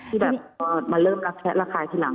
ที่แบบมาเริ่มรักษะรักษายทีหลัง